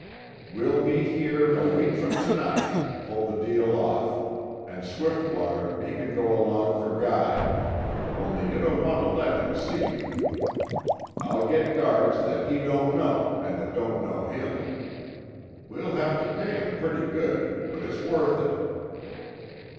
We'll meet here a week from tonight an' pull the deal off, an' Swiftwater he can go along fer guide only you don't want to let him see you. I'll get guards that he don't know, an' that don't know him. We'll have to pay 'em pretty good, but it's worth it."